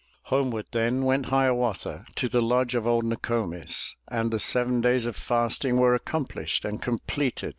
Homeward then went Hiawatha To the lodge of old Ncko'mis And the seven days of fasting Were accomplished and completed.